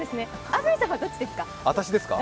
安住さんはどっちですか？